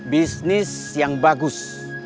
bisnis yang bagus